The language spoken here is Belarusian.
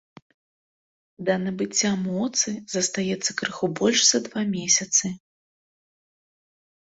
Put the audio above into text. Да набыцця моцы застаецца крыху больш за два месяцы.